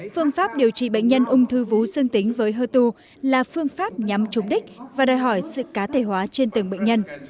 phương pháp điều trị bệnh nhân ung thư vú dương tính với hơ tu là phương pháp nhắm trúng đích và đòi hỏi sự cá thể hóa trên từng bệnh nhân